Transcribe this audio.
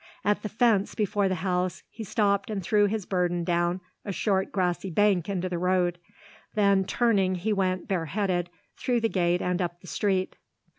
At the fence before the house he stopped and threw his burden down a short grassy bank into the road. Then turning he went, bareheaded, through the gate and up the street.